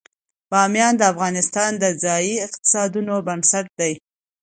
بامیان د افغانستان د ځایي اقتصادونو بنسټ دی.